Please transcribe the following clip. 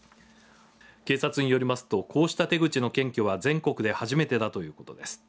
警察によりますとこうした手口の検挙は全国で初めてだということです。